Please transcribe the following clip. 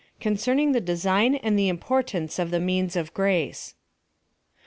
CONCERNING THE DESIGN AND THE IMPORTANCE OF THE MEANS OF GRACE.